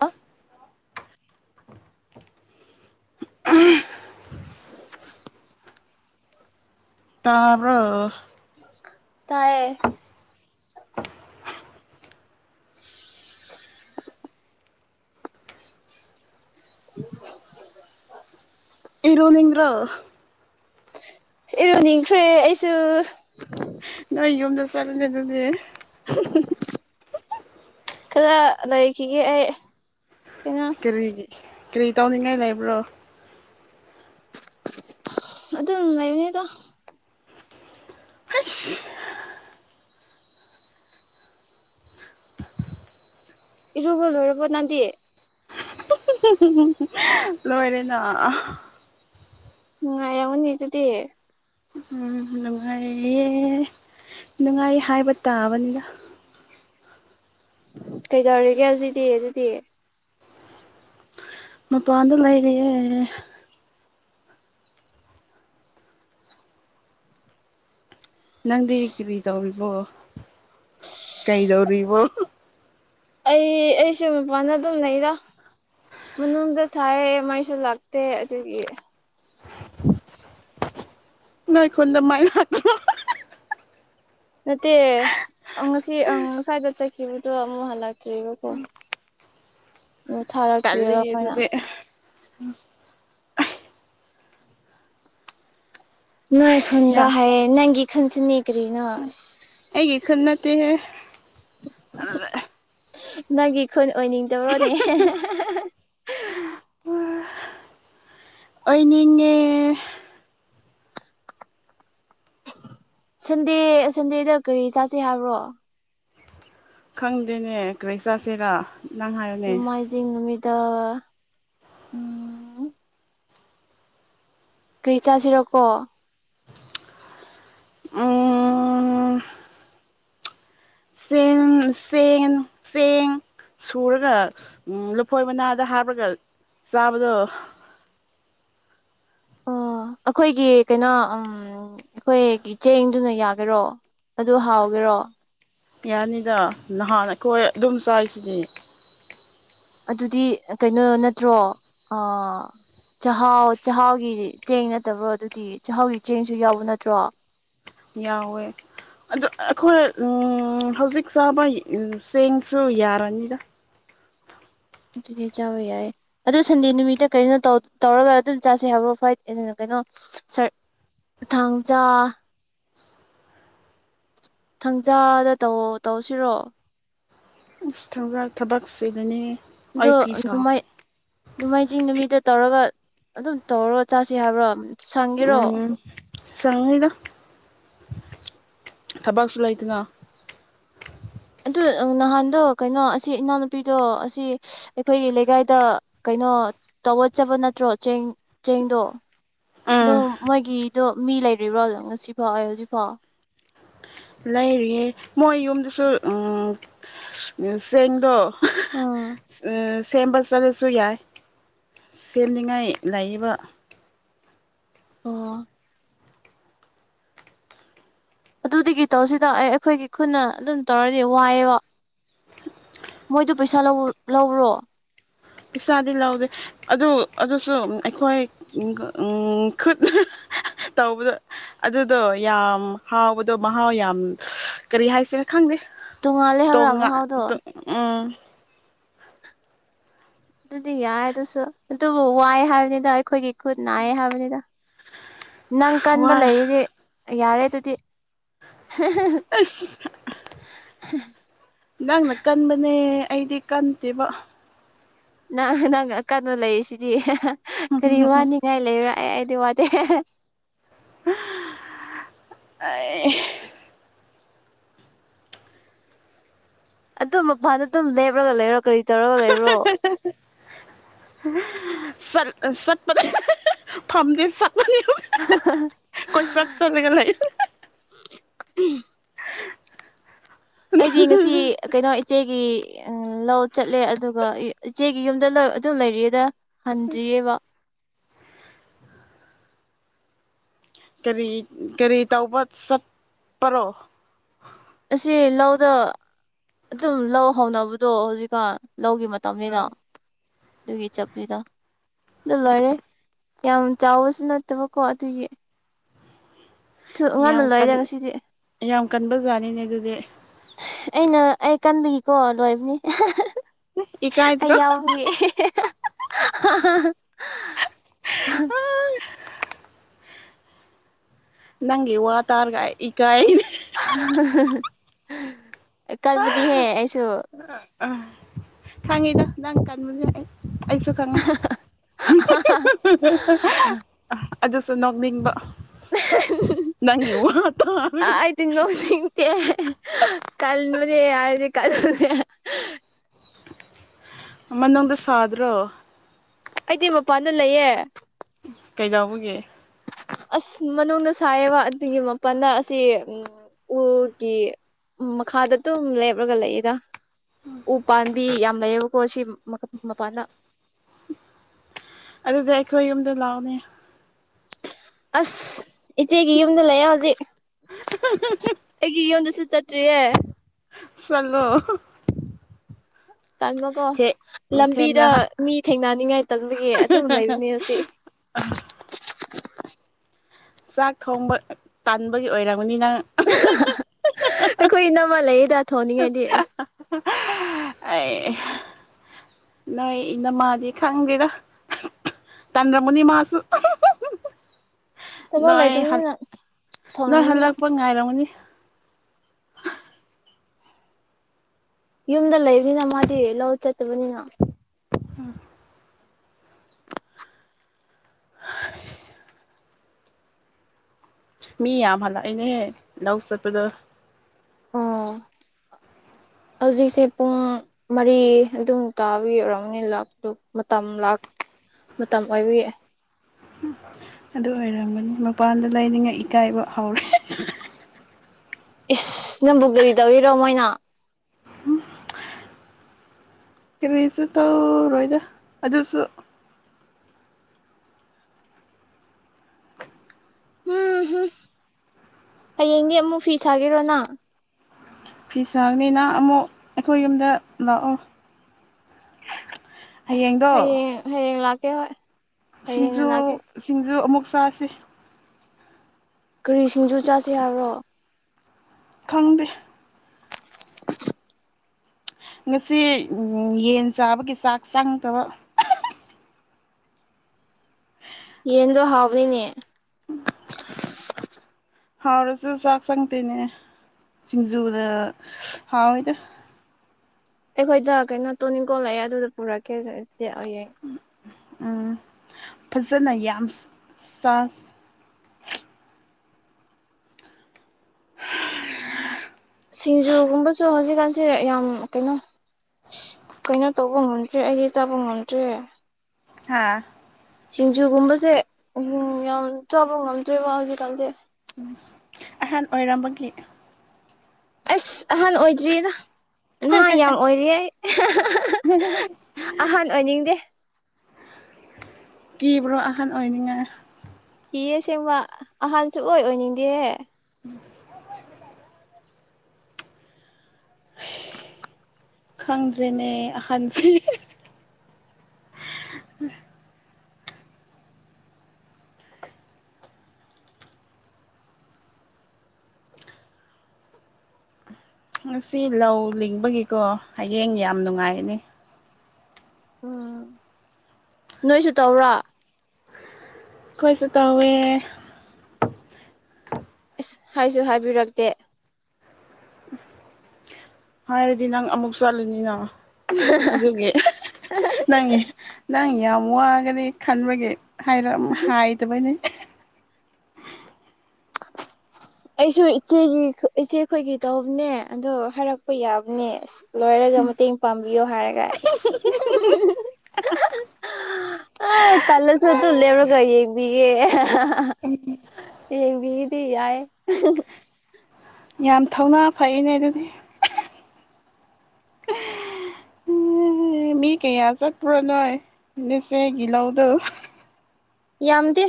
ꯑ [unintelligible] [unintelligible] ꯇꯥꯕ꯭ꯔꯣ ꯇꯥꯏꯌꯦ ꯏꯔꯨꯅꯤꯡꯗ꯭ꯔꯣ ꯏꯔꯨꯅꯤꯡꯈ꯭ꯔꯦ ꯑꯩꯁꯨ ꯅꯣꯏ ꯌꯨꯝꯗ ꯆꯠꯂꯁꯤ ꯑꯗꯨꯗꯤ [inaudible] ꯈꯔ ꯂꯩꯈꯤꯒꯦ ꯑꯩ ꯀꯩꯅꯣ ꯀꯔꯤꯒꯤ ꯀꯔꯤ ꯇꯧꯅꯤꯡꯉꯥꯏ ꯂꯩꯕ꯭ꯔꯣ ꯑꯗꯨꯝ ꯂꯩꯕꯅꯤꯗ ꯍꯥꯏꯁ ꯏꯔꯨꯒ ꯂꯣꯏꯔꯕꯣ ꯅꯪꯗꯤ [inaudible] ꯂꯣꯏꯔꯦꯅ ꯑꯥ ꯅꯨꯡꯉꯥꯏꯔꯝꯒꯅꯤ ꯑꯗꯨꯗꯤ ꯎꯝ ꯅꯨꯡꯉꯥꯏꯌꯦ ꯅꯨꯡꯉꯥꯏ ꯍꯥꯏꯕ ꯇꯥꯕꯅꯤꯗ ꯀꯩꯗꯧꯔꯤꯒꯦ ꯍꯧꯖꯤꯛꯇꯤ ꯑꯗꯨꯗꯤ ꯃꯄꯥꯟꯗ ꯂꯩꯔꯤꯌꯦ ꯅꯪꯗꯤ ꯀꯔꯤ ꯇꯧꯔꯤꯕꯣ ꯀꯩꯗꯧꯔꯤꯕꯣ ꯑꯩ ꯑꯩꯁꯨ ꯃꯄꯥꯟꯗ ꯑꯗꯨꯝ ꯂꯩꯗ ꯃꯅꯨꯡꯗ ꯁꯥꯏꯌꯦ ꯃꯩꯁꯨ ꯂꯥꯛꯇꯦ ꯑꯗꯨꯒꯤ ꯅꯣꯏ ꯈꯨꯟꯗ ꯃꯩ ꯂꯥꯛꯇ꯭ꯔꯣ ꯅꯠꯇꯦ ꯑꯪ ꯉꯁꯤ ꯑꯪ ꯉꯁꯥꯏꯗ ꯆꯠꯈꯤꯕꯗꯣ ꯑꯃꯨꯛ ꯍꯜꯂꯛꯇ꯭ꯔꯤꯕꯀꯣ ꯑꯣ ꯊꯥꯔꯛ ꯇꯜꯂꯤꯍꯦ ꯑꯗꯨꯗꯤ ꯅꯣꯏ ꯈꯨꯟꯗ ꯌꯥ ꯍꯥꯏ ꯅꯪꯒꯤ ꯋꯥꯈꯟꯁꯤꯅ ꯀꯔꯤꯅꯣ ꯑꯩꯒꯤ ꯈꯨꯟ ꯅꯠꯇꯦꯍꯦ ꯑꯗꯨꯗ ꯅꯪꯒꯤ ꯈꯨꯟ ꯑꯣꯏꯅꯤꯡꯗꯕ꯭ꯔꯣꯅꯦ ꯑꯣꯏꯅꯤꯡꯉꯦ ꯁꯟꯗꯦ ꯁꯟꯗꯦꯗ ꯀꯔꯤ ꯆꯥꯁꯤ ꯍꯥꯏꯕ꯭ꯔꯣ ꯈꯪꯗꯦꯅꯦ ꯀꯔꯤ ꯆꯥꯁꯤꯔꯥ ꯅꯪ ꯍꯥꯏꯌꯨꯅꯦ ꯁꯨꯇꯤ ꯅꯨꯃꯤꯠꯇ ꯎꯝ ꯀꯩ ꯆꯥꯁꯤꯔꯥꯀꯣ ꯎꯝ ꯐꯦꯟ ꯐꯦꯡ ꯁꯨꯔꯒ ꯎꯝ ꯂꯐꯣꯏ ꯃꯅꯥꯗ ꯍꯥꯞꯔꯒ ꯆꯥꯕꯗꯣ ꯑꯣ ꯑꯈꯣꯏꯒꯤ ꯀꯩꯅꯣ ꯎꯝ ꯎꯝ ꯑꯩꯈꯣꯏꯒꯤ ꯆꯦꯡꯗꯨꯅ ꯌꯥꯒꯦꯔꯣ ꯑꯗꯨ ꯍꯥꯎꯒꯦꯔꯣ ꯌꯥꯅꯤꯗ ꯅꯍꯥꯟ ꯑꯩꯈꯣꯏ ꯑꯗꯨꯝ ꯆꯥꯏꯁꯤꯗꯤ ꯑꯗꯨꯗꯤ ꯀꯩꯅꯣ ꯅꯠꯇ꯭ꯔꯣ ꯑꯥ ꯆꯥꯛꯍꯥꯎ ꯆꯥꯛꯍꯥꯎꯒꯤ ꯆꯦꯡ ꯅꯠꯇꯕ꯭ꯔꯣ ꯑꯗꯨꯗꯤ ꯆꯥꯛꯍꯥꯎꯒꯤ ꯆꯦꯡꯁꯨ ꯌꯥꯎꯕ ꯅꯠꯇ꯭ꯔꯣ ꯌꯥꯎꯋꯦ ꯑꯗꯨ ꯑꯩꯈꯣꯏ ꯍꯧꯖꯤꯛ ꯆꯥꯕ ꯆꯦꯡꯁꯨ ꯌꯥꯔꯅꯤꯗ ꯑꯗꯨꯗꯤ ꯆꯥꯕ ꯌꯥꯏ ꯑꯗꯨ ꯁꯟꯗꯦ ꯅꯨꯃꯤꯠꯇ ꯀꯩꯅꯣ ꯇꯧꯔꯒ ꯑꯗꯨꯝ ꯆꯥꯥꯁꯦ ꯍꯥꯏꯕ꯭ꯔꯣ ꯐ꯭ꯔꯥꯏꯗꯦꯅ ꯀꯩꯅꯣ ꯁꯥꯔ ꯊꯥꯡꯖ ꯊꯥꯡꯖꯗ ꯇꯧ ꯇꯧꯁꯤꯔꯣ ꯊꯥꯡꯖ ꯊꯕꯛ ꯆꯤꯜꯂꯅꯤ ꯑꯗꯨ ꯑꯗꯨꯃꯥꯏ ꯅꯣꯡꯃꯥꯏꯖꯤꯡ ꯅꯨꯃꯤꯠꯇ ꯇꯧꯔꯒ ꯑꯗꯨꯝ ꯇꯧꯔꯣ ꯆꯥꯁꯤ ꯍꯥꯏꯕ꯭ꯔꯣ ꯁꯪꯒꯦꯔꯣ ꯁꯪꯅꯤꯗ ꯊꯕꯛꯁꯨ ꯂꯩꯇꯥꯅ ꯑꯗꯨ ꯅꯍꯥꯟꯗꯣ ꯀꯩꯅꯣ ꯑꯁꯤ ꯏꯅꯥꯎꯅꯨꯄꯤꯗꯣ ꯑꯁꯤ ꯑꯩꯈꯣꯏꯒꯤ ꯂꯩꯀꯥꯏꯗ ꯀꯩꯅꯣ ꯇꯧꯒꯆꯕ ꯅꯠꯇ꯭ꯔꯣ ꯆꯦꯡ ꯆꯦꯡꯗꯣ ꯑꯗꯣ ꯎꯝ ꯃꯣꯏꯒꯤꯗꯣ ꯃꯤ ꯂꯩꯔꯤꯕ꯭ꯔꯣ ꯉꯁꯤ ꯐꯥꯎ ꯑꯩ ꯍꯧꯖꯤꯛꯐꯥꯎ ꯂꯩꯔꯤꯌꯦ ꯃꯣꯏ ꯌꯨꯝꯗꯁꯨ ꯑꯥ ꯆꯦꯡꯗꯣ ꯑꯥ ꯑ ꯁꯦꯝꯕ ꯆꯔ ꯁꯨ ꯌꯥꯏ ꯁꯦꯝꯅꯤꯉꯥꯏ ꯂꯩꯕ ꯑꯣ ꯑꯗꯨꯗꯒꯤ ꯇꯧꯁꯤꯗ ꯑꯩ ꯑꯩꯈꯣꯏꯒꯤ ꯈꯨꯟꯅ ꯑꯗꯨꯝ ꯇꯧꯔꯗꯤ ꯋꯥꯏꯑꯦꯕ ꯃꯣꯏꯗꯨ ꯄꯩꯁꯥ ꯂꯧ ꯂꯧꯔꯣ ꯄꯤꯁꯥꯗꯤ ꯂꯧꯗꯦ ꯑꯗꯨ ꯑꯗꯨꯁꯨ ꯑꯩꯈꯣꯏ ꯎꯝ ꯈꯨꯠ ꯇꯧꯕꯗꯣ ꯑꯗꯨꯗꯣ ꯌꯥꯝ ꯍꯥꯎꯕꯗꯣ ꯃꯍꯥꯎ ꯌꯥꯝ ꯀꯔꯤ ꯍꯥꯏꯁꯤꯅ ꯈꯪꯗꯦ ꯇꯣꯡꯉꯥꯜꯂꯦ ꯇꯣ ꯍꯥꯏꯕ꯭ꯔꯥ ꯉꯥꯟ ꯃꯍꯥꯎꯗꯣ ꯇꯣ ꯎꯝ ꯑꯗꯨꯗꯤ ꯌꯥꯏ ꯑꯗꯨꯁꯨ ꯑꯗꯨꯕꯨ ꯋꯥꯏ ꯍꯥꯏꯕꯅꯤꯗ ꯑꯩꯈꯣꯏꯒꯤ ꯈꯨꯠ ꯅꯥꯏꯌꯦ ꯍꯥꯏꯕꯅꯤꯗ ꯅꯪ ꯀꯟꯕ ꯋꯥ ꯂꯩꯔꯤꯗꯤ ꯌꯥꯔꯦ ꯑꯗꯨꯗꯤ [unintelligible] [unintelligible] [inaudible] ꯅꯪꯅ ꯀꯟꯕꯅꯦ ꯑꯩꯗꯤ ꯀꯟꯗꯦꯕ ꯅꯪ ꯅꯪ ꯑꯀꯟꯕ ꯂꯩꯔꯤꯁꯤꯗꯤ ꯀꯔꯤ ꯋꯥꯅꯤꯡꯉꯥꯏ ꯂꯩꯕ꯭ꯔꯥ ꯑꯩ ꯑꯩꯗꯤ ꯋꯥꯗꯦ ꯑꯩ ꯑꯗꯨ ꯃꯄꯥꯟꯗ ꯑꯗꯨꯝ ꯂꯦꯞꯔꯒ ꯂꯩꯔꯣ ꯀꯔꯤ ꯇꯧꯔꯒ ꯂꯩꯕ꯭ꯔꯣ [unintelligible] ꯆꯥꯠ ꯆꯠꯄꯗ ꯐꯝꯗꯦ [unintelligible] [unintelligible] ꯀꯣꯏ ꯆꯠ ꯆꯠꯂꯒ ꯂꯩ ꯑꯩꯗꯤ ꯉꯁꯤ ꯀꯩꯅꯣ ꯏꯆꯦꯒꯤ ꯎ ꯂꯧ ꯆꯠꯂꯦ ꯑꯗꯨꯒ ꯏꯆꯦꯒꯤ ꯌꯨꯝꯗ ꯑꯗꯨ ꯑꯗꯨꯝ ꯂꯩꯔꯤꯌꯦꯗ ꯍꯟꯗ꯭ꯔꯤꯌꯦꯕ ꯀꯔꯤ ꯀꯔꯤ ꯇꯧꯕ ꯆꯠꯄꯔꯣ ꯑꯁꯤ ꯂꯧꯗ ꯑꯗꯨꯝ ꯂꯧ ꯍꯧꯅꯕꯗꯣ ꯍꯧꯖꯤꯛꯀꯥꯟ ꯂꯧꯒꯤ ꯇꯝꯅꯤꯅ ꯑꯥ ꯑꯗꯨꯒꯤ ꯆꯞꯅꯤꯗ ꯑꯗꯨ ꯂꯣꯏꯔꯦ ꯌꯥꯝ ꯆꯥꯎꯕꯁꯨ ꯅꯠꯇꯕꯀꯣ ꯑꯗꯨꯒꯤ ꯌꯥꯝ ꯉꯟꯅ ꯀꯟ ꯂꯣꯏꯔꯦ ꯉꯁꯤꯗꯤ ꯌꯥꯝ ꯀꯟꯕꯖꯥꯠꯅꯤꯅꯦ ꯑꯗꯨꯗꯤ ꯑꯩꯅ ꯑꯩ ꯀꯟꯕꯒꯤꯀꯣ ꯂꯣꯏꯕꯅꯤ ꯑꯩ ꯏꯀꯥꯏꯗ꯭ꯔꯣ ꯌꯥꯎ [inaudible] ꯅꯪꯒꯤ ꯋꯥ ꯇꯥꯔꯒ ꯑꯩ ꯏꯀꯥꯏ ꯅꯦ [unintelligible] ꯀꯟꯕꯗꯤꯍꯦ ꯑꯩꯁꯨ ꯑ ꯑꯥ ꯁꯥꯡꯉꯤꯗ ꯅꯪ ꯀꯥꯟꯕꯅꯦ ꯑꯩ ꯑꯩꯁꯨ ꯈꯪꯉꯤ ꯑꯗꯨꯁꯨ ꯅꯣꯛꯅꯤꯡꯕ ꯅꯪꯒꯤ ꯋꯥ ꯇꯥꯔꯒ ꯀꯦ ꯀꯟꯕꯅꯦ ꯍꯥꯏꯔꯗꯤ ꯀꯟꯕꯅꯦ [inaudible] ꯃꯅꯨꯡꯗ ꯁꯥꯗ꯭ꯔꯣ ꯑꯩꯗꯤ ꯃꯄꯥꯟꯗ ꯂꯩꯌꯦ ꯀꯩꯗꯧꯕꯒꯤ ꯑꯁ ꯃꯅꯨꯡꯗ ꯁꯥꯏꯌꯦꯕ ꯑꯗꯨꯒꯤ ꯃꯄꯜꯗ ꯑꯁꯤ ꯎ ꯎꯒꯤ ꯎꯝ ꯃꯈꯥꯗ ꯑꯗꯨꯝ ꯂꯦꯞꯂꯒ ꯂꯩꯌꯦꯗ ꯎ ꯄꯥꯝꯕꯤ ꯌꯥꯝ ꯂꯩꯌꯦꯕꯀꯣ ꯁꯤ ꯃꯄꯥꯟꯗ ꯑꯗꯨꯗꯤ ꯑꯩꯈꯣꯏ ꯌꯨꯝꯗ ꯂꯥꯛꯑꯣꯅꯦ ꯑꯁ ꯏꯆꯦꯒꯤ ꯌꯨꯝꯗ ꯂꯩꯑꯦ ꯍꯧꯖꯤꯛ ꯑꯩꯒꯤ ꯌꯨꯝꯗꯁꯨ ꯆꯠ ꯇꯔꯤꯌꯦ ꯆꯠꯂꯣ ꯇꯥꯟꯃꯀꯣ ꯊꯦꯛ ꯊꯦꯡꯅ ꯂꯝꯕꯤꯗ ꯃꯤ ꯊꯦꯡꯅꯅꯤꯡꯉꯥꯏ ꯇꯟꯕꯒꯤ ꯑꯗꯨꯝ ꯂꯩꯕꯅꯦ ꯍꯧꯖꯤꯛ ꯑ ꯆꯥꯛ ꯊꯣꯡꯕ ꯇꯟꯥꯟꯕꯒꯤ ꯑꯣꯏꯔꯝꯕꯅꯤ ꯅꯪ ꯑꯩꯈꯣꯏ ꯏꯅꯝꯃ ꯂꯩꯑꯦꯗ ꯊꯣꯡꯅꯤꯡꯉꯥꯏꯗꯤ ꯑꯁ ꯑꯩ ꯅꯣꯏ ꯏꯅꯝꯃꯥꯗꯤ ꯈꯪꯗꯦꯗ ꯇꯥꯟꯂꯝꯂꯅꯤ ꯃꯍꯥꯛꯁꯨ [unintelligible] ꯊꯕꯛ ꯅꯣꯏ ꯍꯜ ꯂꯩꯇꯕꯅꯤꯅ ꯅꯣꯏ ꯊꯣꯡꯅꯕꯅꯤ ꯃꯥ ꯍꯜꯂꯛꯄ ꯉꯥꯏꯔꯝꯒꯅꯤ ꯌꯨꯝꯗ ꯂꯩꯕꯅꯤꯅ ꯃꯥꯗꯤ ꯂꯧ ꯆꯠꯇꯕꯅꯤꯅ ꯑ ꯃꯤ ꯌꯥꯝ ꯍꯜꯂꯛꯏꯅꯦ ꯂꯧ ꯆꯠꯄꯗꯣ ꯑꯣ [unintelligible] ꯍꯧꯖꯤꯛꯁꯦ ꯄꯨꯡ ꯃꯔꯤ ꯑꯗꯨꯝ ꯇꯥꯕꯩ ꯑꯣꯏꯔꯝꯅꯤ ꯂꯥꯛꯄꯗꯣ ꯃꯇꯝ ꯂꯥꯛ ꯃꯇꯝ ꯑꯣꯏꯕꯒꯤ ꯎꯝ ꯑꯗꯨ ꯑꯣꯏꯔꯝꯃꯅꯤ ꯃꯄꯥꯟꯗ ꯂꯥꯏꯅꯤꯡꯉꯥꯏ ꯏꯀꯥꯏꯕ ꯍꯧꯔꯦ ꯏꯁꯁ ꯅꯝꯕꯨ ꯀꯔꯤ ꯇꯧꯔꯤꯅꯣ ꯃꯣꯏꯅ ꯀꯔꯤꯁꯨ ꯇꯧꯔꯣꯏꯗ ꯑꯗꯨꯁꯨ ꯎꯝꯍꯨꯝ ꯍꯌꯦꯡꯗꯤ ꯑꯃꯨꯛ ꯐꯤ ꯁꯥꯒꯦꯔꯣ ꯅꯪ ꯐꯤꯁꯥꯒꯅꯤꯅ ꯑꯃꯨꯛ ꯑꯩꯈꯣꯏ ꯌꯨꯝꯗ ꯂꯥꯛꯑꯣ ꯍꯌꯦꯡꯗꯣ ꯍꯥꯌꯦꯡ ꯍꯥꯌꯦꯡ ꯂꯥꯛꯀꯦ ꯍꯣꯏ ꯍꯌꯦꯡꯅ ꯁꯤꯡꯖꯨ ꯂꯥꯛꯀꯦ ꯁꯤꯡꯖꯨ ꯑꯃꯨꯛ ꯆꯥꯁꯤ ꯀꯔꯤ ꯁꯤꯡꯖꯨ ꯆꯥꯁꯤ ꯍꯥꯏꯕ꯭ꯔꯣ ꯈꯪꯗꯦ ꯉꯥꯁꯤ ꯎꯝ ꯌꯦꯟ ꯆꯥꯕꯒꯤ ꯆꯥꯛ ꯆꯪꯗꯕ [unintelligible] ꯌꯦꯟꯗꯣ ꯍꯥꯎꯕꯅꯤꯅꯦ ꯎꯝ ꯍꯥꯎꯔꯁꯨ ꯆꯥꯛ ꯆꯪꯗꯦꯅꯦ ꯁꯤꯡꯖꯨꯅ ꯍꯥꯎꯏꯗ ꯑꯩꯈꯣꯏꯗ ꯀꯩꯅꯣ ꯇꯨꯅꯤꯡꯈꯣꯛ ꯂꯩꯑꯦ ꯑꯗꯨꯗꯣ ꯄꯨꯔꯛꯀꯦ ꯑꯗꯨꯗꯤꯍꯥꯌꯦꯡ ꯎꯝ ꯐꯖꯅ ꯌꯥꯝ ꯆꯥꯖ ꯁꯤꯡꯖꯨꯒꯨꯝꯕꯁꯨ ꯍꯧꯖꯤꯛꯀꯥꯟꯁꯦ ꯌꯥꯝ ꯀꯩꯅꯣ ꯀꯩꯅꯣ ꯇꯧꯕ ꯉꯝꯗ꯭ꯔꯦ ꯑꯩꯗꯤ ꯆꯥꯕ ꯉꯝꯗ꯭ꯔꯦ ꯍꯥꯥ ꯁꯤꯡꯖꯨꯒꯨꯝꯕꯁꯦ ꯎꯝ ꯌꯥꯝ ꯆꯥꯕ ꯉꯝꯗ꯭ꯔꯦꯕ ꯍꯧꯖꯤꯛꯀꯥꯟꯁꯦ ꯑꯍꯜ ꯑꯣꯏꯔꯝꯕꯒꯤ ꯑꯁ ꯑꯍꯜ ꯑꯣꯏꯗ꯭ꯔꯤꯌꯦꯗ ꯅꯍꯥ ꯌꯥꯝ ꯑꯣꯏꯔꯤꯌꯦ ꯑꯩ ꯑ ꯑꯍꯥꯟ ꯑꯣꯏꯅꯤꯡꯗꯦ ꯀꯤꯕ꯭ꯔꯣ ꯑꯍꯟ ꯑꯣꯏꯅꯤꯡꯉ‌ꯦ ꯀꯤꯌ‌ꯦ ꯁꯦꯡꯕ ꯑꯍꯥꯟ ꯁꯨꯡꯑꯣꯏ ꯑꯣꯏꯅꯤꯡꯗꯤꯌꯦ ꯎꯝ [unintelligible] ꯈꯪꯗ꯭ꯔꯦꯅꯦ ꯑꯍꯟꯁꯦ ꯉꯁꯤ ꯂꯧ ꯂꯤꯡꯕꯒꯤꯀꯣ ꯍꯌꯦꯡ ꯌꯥꯝ ꯅꯨꯡꯉꯥꯏꯒꯅꯤ ꯎꯝ ꯅꯣꯏꯁꯨ ꯇꯧꯔꯣ ꯑꯩꯈꯣꯏꯁꯨ ꯇꯧꯋꯦ ꯏꯁ ꯍꯥꯏꯁꯨ ꯍꯥꯏꯕꯤꯔꯛꯇꯦ ꯍꯥꯏꯔꯗꯤ ꯅꯪ ꯑꯃꯨꯛ ꯆꯠꯂꯨꯅꯤꯅ ꯑꯗꯨꯒꯤ ꯅꯪꯏ ꯅꯪ ꯌꯥꯝ ꯋꯥꯒꯅꯤ ꯈꯟꯕꯒꯤ ꯍꯥꯏꯔꯝ ꯍꯥꯏꯗꯕꯅꯦ [inaudible] ꯑꯩꯁꯨ ꯏꯆꯦꯒꯤ ꯈ ꯏꯆꯦꯈꯣꯏꯒꯤ ꯇꯧꯕꯅꯦ ꯑꯗꯣ ꯍꯥꯏꯔꯛꯄ ꯌꯥꯕꯅꯦ ꯑꯁ ꯂꯣꯏꯔꯒ ꯃꯇꯦꯡ ꯄꯥꯡꯕꯤꯌꯣ ꯍꯥꯏꯔꯒ ꯏꯁ ꯍꯥ ꯍꯥ ꯍꯥ ꯑ ꯇꯜꯂꯁꯨ ꯑꯗꯨ ꯂꯦꯞꯔꯒ ꯌꯦꯡꯕꯤꯒꯦ [unintelligible] ꯑꯦꯕꯤꯗꯤ ꯌꯥꯏꯌꯦ ꯌꯥꯝ ꯊꯧꯅꯥ ꯐꯩꯅꯦ ꯑꯗꯨꯗꯤ ꯃꯤ ꯀꯌꯥ ꯆꯠꯄꯔꯣ ꯅꯣꯏ ꯅꯤꯆꯦꯒꯤ ꯂꯧꯗꯨ ꯌꯥꯝꯗꯦ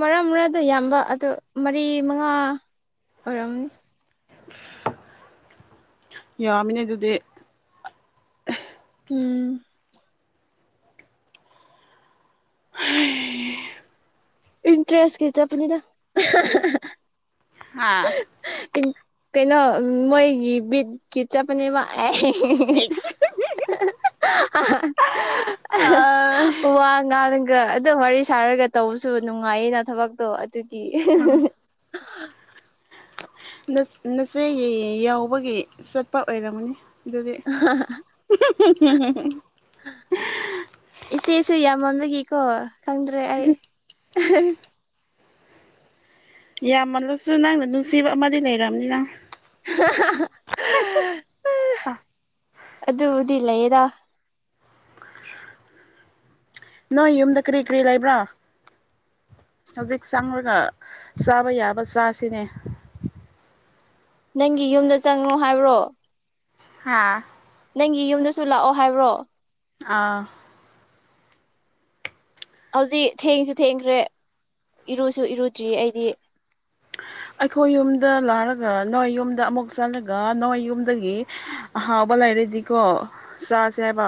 ꯃꯔ ꯃꯔꯛꯗ ꯌꯥꯝꯕ ꯑꯗꯨ ꯃꯔꯤ ꯃꯉꯥ ꯑꯣꯏꯔꯝꯅꯤ ꯌꯥꯝꯃꯤꯅꯦ ꯑꯗꯨꯗꯤ ꯎꯝ ꯏꯟꯇ꯭ꯔꯦꯁ ꯀꯤ ꯆꯠꯄ ꯅꯤꯗꯥ ꯍꯥ ꯏꯟ ꯀꯩꯅꯣ ꯎꯝ ꯃꯣꯏꯒꯤ ꯕꯤꯠꯀꯤ ꯆꯠꯄꯅꯦꯕ ꯋꯥ ꯉꯥꯡꯔꯒ ꯑꯗꯨꯝ ꯋꯥꯔꯤ ꯁꯥꯔꯒ ꯇꯧꯕꯁꯨ ꯅꯨꯡꯉꯥꯏꯌꯦꯅ ꯊꯕꯛꯇꯣ ꯑꯗꯨꯒꯤ ꯎ [inaudible] ꯅꯨꯐ ꯅꯨꯐꯤꯒꯤ ꯌꯥꯎꯕꯒꯤ ꯆꯠꯄ ꯑꯣꯏꯔꯝꯒꯅꯤ ꯑꯗꯨꯗꯤ ꯑꯍꯥ ꯍꯥ ꯍꯥ ꯑꯍꯥ ꯍꯥ ꯍꯥ ꯍꯥ ꯏꯆꯦꯁꯨ ꯌꯥꯝ ꯃꯟꯕꯒꯤꯀꯣ ꯈꯪꯗ꯭ꯔꯦ ꯑꯩ ꯌꯥꯝꯃꯜꯂꯁꯨ ꯅꯪꯅ ꯅꯨꯡꯁꯤꯕ ꯑꯃꯗꯤ ꯂꯩꯔꯝꯅꯤ ꯅꯥ ꯑꯗꯨꯕꯨꯗꯤ ꯂꯩꯌꯦꯗ ꯅꯣꯏ ꯌꯨꯝꯗ ꯀꯔꯤ ꯀꯔꯤ ꯂꯩꯕ꯭ꯔꯥ ꯍꯧꯖꯤꯛ ꯆꯪꯔꯒ ꯆꯥꯕ ꯌꯥꯕ ꯆꯥꯁꯤꯅꯦ ꯅꯪꯒꯤ ꯌꯨꯝꯗ ꯆꯪꯉꯣ ꯍꯥꯏꯕ꯭ꯔꯣ ꯍꯥꯥ ꯅꯪꯒꯤ ꯌꯨꯝꯗꯁꯨ ꯂꯥꯛꯑꯣ ꯍꯥꯏꯕ꯭ꯔꯣ ꯑꯥ ꯍꯧꯖꯤꯛ ꯊꯦꯡꯁꯨ ꯊꯦꯡꯈ꯭ꯔꯦ ꯏꯔꯨꯁꯨ ꯏꯔꯨꯗ꯭ꯔꯤ ꯑꯩꯗꯤ ꯑꯩꯈꯣꯏ ꯌꯨꯝꯗ ꯂꯥꯛꯔꯒ ꯅꯣꯏ ꯌꯨꯝꯗ ꯑꯃꯨꯛ ꯆꯠꯂꯒ ꯅꯣꯏ ꯌꯨꯝꯗꯒꯤ ꯑꯍꯥꯎꯕ ꯂꯩꯔꯗꯤꯀꯣ ꯆꯥꯁꯦ ꯍꯥꯏꯕ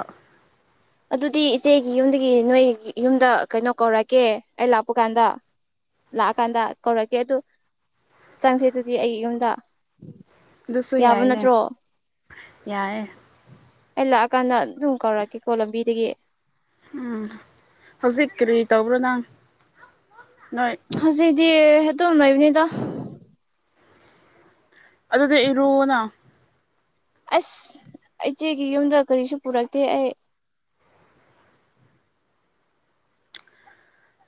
ꯑꯗꯨꯗꯤ ꯏꯆꯦꯒꯤ ꯌꯨꯝꯗꯒꯤ ꯅꯣꯏ ꯌꯨꯝꯗ ꯀꯩꯅꯣ ꯀꯧꯔꯛꯀꯦ ꯑꯩ ꯂꯥꯛꯄ ꯀꯥꯟꯗ ꯂꯥꯛꯑꯀꯥꯟꯗ ꯀꯧꯔꯒꯦ ꯑꯗꯨ ꯆꯥꯁꯦ ꯑꯗꯨꯗꯤ ꯑꯩ ꯌꯨꯝꯗ ꯑꯗꯨꯁꯨ ꯌꯥꯕ ꯌꯥꯏꯅꯦ ꯅꯠꯇ꯭ꯔꯣ ꯌꯥꯏꯌꯦ ꯑꯩ ꯂꯥꯛꯑꯀꯥꯟꯗ ꯑꯗꯨꯝ ꯀꯧꯔꯛꯀꯦꯀꯣ ꯂꯝꯕꯤꯗꯒꯤ ꯎꯝ ꯍꯧꯖꯤꯛ ꯀꯔꯤ ꯇꯧꯕ꯭ꯔꯣ ꯅꯪ ꯅꯣꯏ ꯍꯧꯖꯤꯛꯇꯤ ꯑꯗꯨꯝ ꯂꯩꯕꯅꯤꯗ ꯑꯗꯨꯗꯤ ꯏꯔꯨꯑꯣꯅ ꯑꯩꯁ ꯏꯆꯦꯒꯤ ꯌꯨꯝꯗ ꯀꯔꯤꯁꯨ ꯄꯨꯔꯛꯇꯦ ꯑꯩ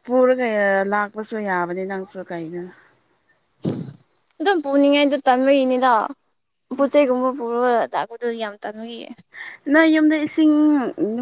ꯄꯨꯔꯒ ꯂꯥꯛꯄꯁꯨ ꯌꯥꯕꯅꯦ ꯅꯪꯁꯨ ꯀꯩꯅꯣ ꯑꯗꯨꯝ ꯄꯨꯅꯤꯡꯉꯥꯏꯗꯨ ꯇꯟꯕꯒꯤꯅꯤꯗ ꯄꯣꯠꯆꯩ ꯒꯨꯝꯕ ꯄꯨꯔꯒ ꯂꯥꯛꯄꯗꯨ ꯌꯥꯝ ꯇꯟꯕꯒꯤ ꯅꯣꯏ ꯌꯨꯝꯗ ꯏꯁꯤꯡ ꯅꯨ